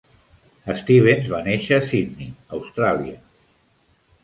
Stevens va néixer a Sydney, Austràlia.